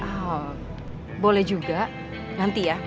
wow boleh juga nanti ya